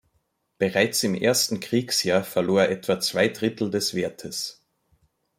Bereits im ersten Kriegsjahr verlor er etwa zwei Drittel des Wertes.